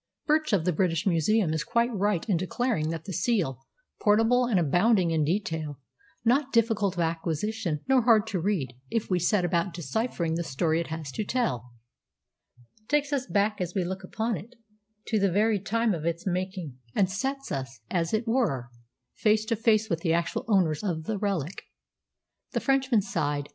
"Birch of the British Museum is quite right in declaring that the seal, portable and abounding in detail, not difficult of acquisition nor hard to read if we set about deciphering the story it has to tell, takes us back as we look upon it to the very time of its making, and sets us, as it were, face to face with the actual owners of the relic." The Frenchman sighed.